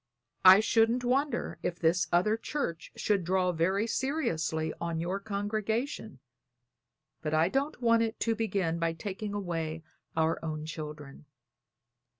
I shouldn't wonder if this other church should draw very seriously on your congregation; but I don't want it to begin by taking away our own children.